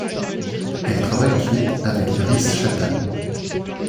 Elle travaille ensuite avec Rhys Chatham.